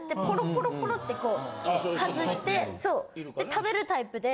食べるタイプで。